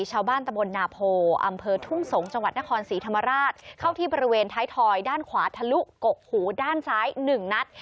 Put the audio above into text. ตะบลนาโพอำเภอทุ่งสงศ์จังหวัดนครศรีธรรมราชเข้าที่บริเวณท้ายทอยด้านขวาทะลุกกหูด้านซ้ายหนึ่งนัด